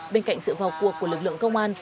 bên cạnh sự vào cuộc của lực lượng công an